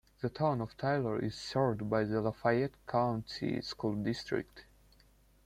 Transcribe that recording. The Town of Taylor is served by the Lafayette County School District.